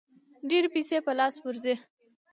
ډېرې پیسې په لاس ورځي.